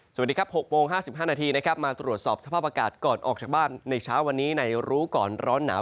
สวัสดีครับ๖โมง๕๕นาทีนะครับมาตรวจสอบสภาพอากาศก่อนออกจากบ้านในเช้าวันนี้ในรู้ก่อนร้อนหนาว